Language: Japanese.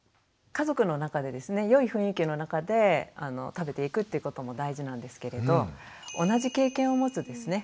家族の中でですね良い雰囲気の中で食べていくっていうことも大事なんですけれど同じ経験を持つですね